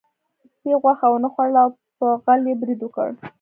سپي غوښه ونه خوړله او په غل یې برید وکړ.